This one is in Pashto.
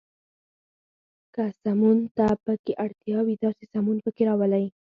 که سمون ته پکې اړتیا وي، داسې سمون پکې راولئ.